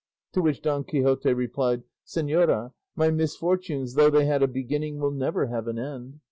To which Don Quixote replied, "Señora, my misfortunes, though they had a beginning, will never have an end.